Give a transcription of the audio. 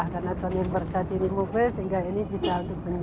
karena tahun yang berakhir ini mobil sehingga ini bisa